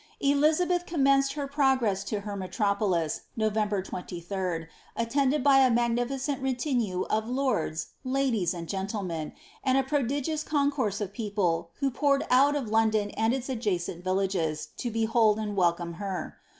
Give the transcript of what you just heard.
Diiabelh commenced her progreie to her metropolis, November 23dy attended by a magnificent retinne of Icmls, ladies, and gentlemen, and a pmligioiis eoneonrae of people who poured out of London and its adjacent villages, to behold and weleome her.